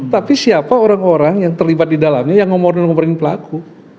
tapi siapa orang orang yang terlibat di dalamnya yang ngomongin ngobrolin pelaku